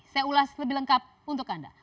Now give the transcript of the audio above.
saya ulas lebih lengkap untuk anda